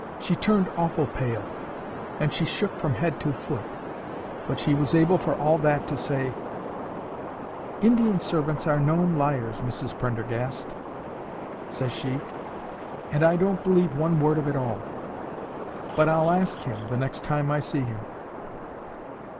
She turned awful pale, and she shook from head to foot, but she was able for all that to say, "Indian servants are known liars, Mrs Prendergast," says she, "and I don't believe one word of it all. But I'll ask him, the next time I see him."